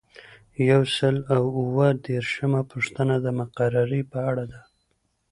یو سل او اووه دیرشمه پوښتنه د مقررې په اړه ده.